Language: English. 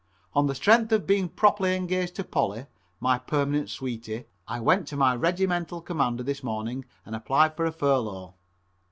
On the strength of being properly engaged to Polly, my permanent sweetie, I went to my Regimental commander this morning and applied for a furlough.